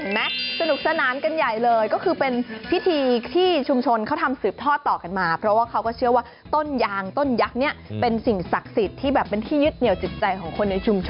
สนุกสนานกันใหญ่เลยก็คือเป็นพิธีที่ชุมชนเขาทำสืบทอดต่อกันมาเพราะว่าเขาก็เชื่อว่าต้นยางต้นยักษ์เนี่ยเป็นสิ่งศักดิ์สิทธิ์ที่แบบเป็นที่ยึดเหนียวจิตใจของคนในชุมชน